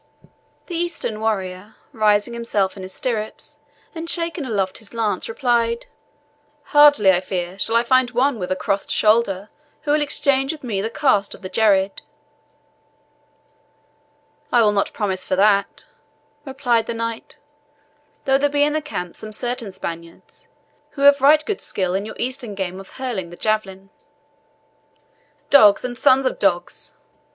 The Eastern warrior, raising himself in his stirrups, and shaking aloft his lance, replied, "Hardly, I fear, shall I find one with a crossed shoulder who will exchange with me the cast of the jerrid." "I will not promise for that," replied the Knight; "though there be in the camp certain Spaniards, who have right good skill in your Eastern game of hurling the javelin." "Dogs, and sons of dogs!"